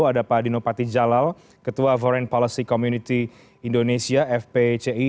ada pak dino patijalal ketua foreign policy community indonesia fpci